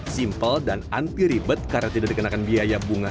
simpel dan anti ribet karena tidak dikenakan biaya bunga